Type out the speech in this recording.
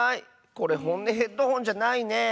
これほんねヘッドホンじゃないね。